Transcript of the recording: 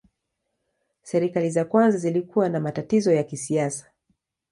Serikali za kwanza zilikuwa na matatizo ya kisiasa.